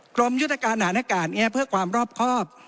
กรมยุทธการฐานอากาศเพื่อความรอบครอบ